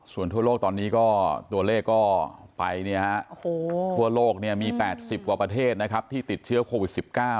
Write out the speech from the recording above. ส่วนทั่วโลกตอนนี้ก็ตัวเลขก็ไปทั่วโลกมี๘๐กว่าประเทศนะครับที่ติดเชื้อโควิด๑๙